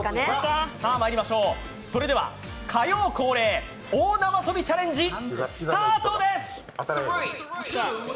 まいりましょう、それでは火曜恒例大縄跳びチャレンジスタートです！